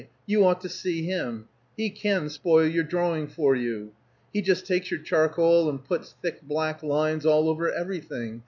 You ought to see him! He can spoil your drawing for you! He just takes your charcoal, and puts thick black lines all over everything.